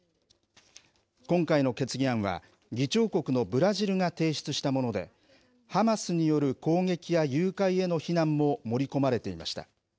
今回の決議案は議長国のブラジルが提出したものでハマスによる攻撃や誘拐への非難も盛り込まれていました。